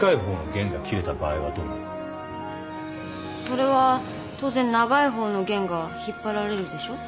それは当然長いほうの弦が引っ張られるでしょう。